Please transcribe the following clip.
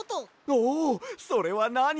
おおそれはなに？